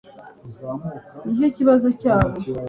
nicyo kibazo cyabo